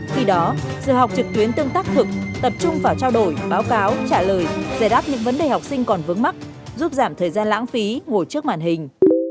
khi đó giờ học trực tuyến tương tác thực tập trung vào trao đổi báo cáo trả lời giải đáp những vấn đề học sinh còn vướng mắt giúp giảm thời gian lãng phí ngồi trước màn hình